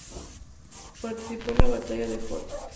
Participó en la batalla de Hoth.